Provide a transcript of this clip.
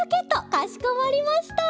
かしこまりました。